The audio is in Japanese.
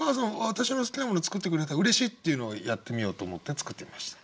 私の好きなものを作ってくれた嬉しい」っていうのをやってみようと思って作ってみました。